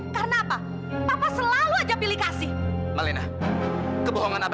dari apa dari apa